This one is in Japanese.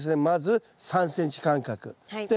まず３ｃｍ間隔。